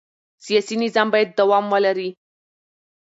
سیاسي نظام باید دوام ولري